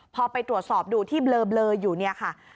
พอไปตรวจสอบดูที่เบลออยู่เนี่ยค่ะ